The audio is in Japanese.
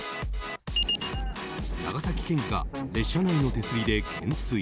長崎県議が列車内の手すりで懸垂。